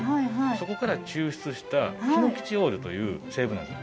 そこから抽出したヒノキチオールという成分なんです。